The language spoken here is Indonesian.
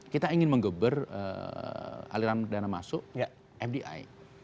kita ingin menggeber aliran dana masuk fdi